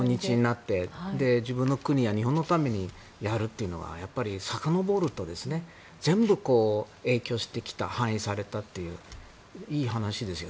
自分の国や日本のためにやるというのはやっぱりさかのぼると全部、影響してきた反映されたといういい話ですよ。